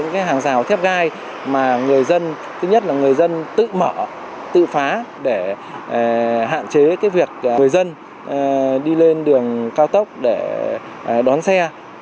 gai mà người dân thứ nhất là người dân tự mở tự phá để hạn chế cái việc người dân đi lên đường cao tốc để đón xe